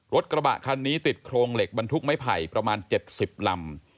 รถกระบะคันนี้ติดโครงเหล็กบรรทุกไม้ไผ่ประมาณ๗๐ลำ